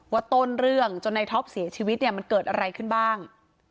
ว่าต้นเรื่องจนในท็อปเสียชีวิตเนี่ยมันเกิดอะไรขึ้นบ้าง